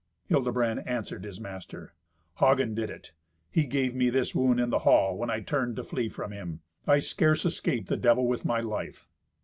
Hildebrand answered his master, "Hagen did it. He gave me this wound in the hall when I turned to flee from him. I scarce escaped the devil with my life."